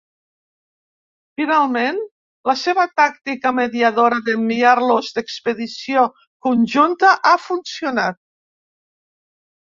Finalment, la seva tàctica mediadora d'enviar-los d'expedició conjunta ha funcionat.